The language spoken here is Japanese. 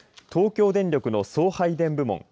東京電力の送配電部門